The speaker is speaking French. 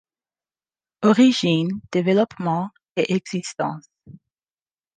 Origine, développement et existence.